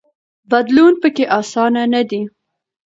بدلون پکې اسانه نه دی.